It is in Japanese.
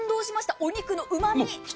お肉のうま味。